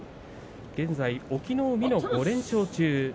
現在、隠岐の海の５連勝中。